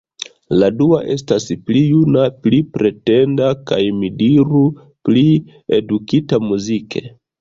La dua estas pli juna, pli pretenda kaj, mi diru, pli edukita muzike.